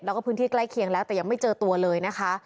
แล้วก็พื้นที่ใกล้เคียงแล้วแต่ยังไม่เจอตัวเลยนะคะ